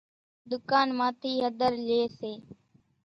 ڌُڪان مان ٿي ھۮر لئي سي،